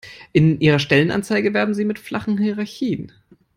In Ihrer Stellenanzeige werben Sie mit flachen Hierarchien.